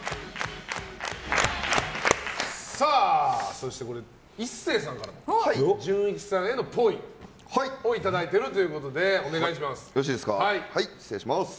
そして、壱成さんから純一さんへのっぽいをいただいているということでお願いします。